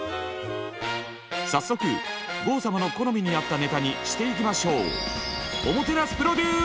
早速郷様の好みに合ったネタにしていきましょう。